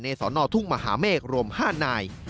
ในสอนอทุ่งมหาเมฆรวมห้านาน